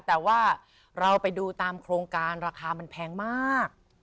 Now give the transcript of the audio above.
แต่ว่าเราไปดูตามโครงการราคามันแพงมาก